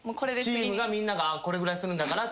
チームがみんながこれぐらいするんだからって？